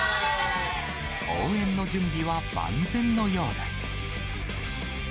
応援の準備は万全のようです。